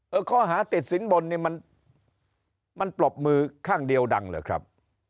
ข้อหาติดสินบนนี่มันปรบมือข้างเดียวดังเหรอครับ